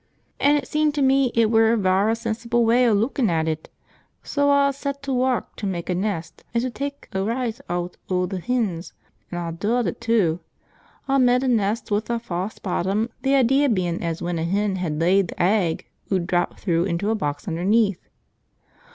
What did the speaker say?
"An' it seemed to me it were a varra sensible way o' lukkin' at it. Sooa aw set to wark to mek a nest as 'ud tek a rise eawt o' th' hens. An' aw dud it too. Aw med a nest wi' a fause bottom, th' idea bein' as when a hen hed laid, th' egg 'ud drop through into a box underneyth.